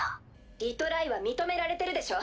リトライは認められてるでしょ。